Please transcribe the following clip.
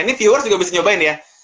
ini viewers juga bisa nyobain ya